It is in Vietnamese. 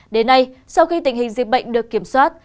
đến nay sau khi tình hình dịch bệnh được kiểm soát